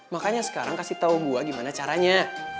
makanya sekarang kasih tahu gue gimana caranya